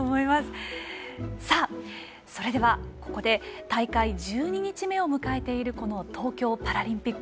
それではここで大会１２日目を迎えているこの東京パラリンピック。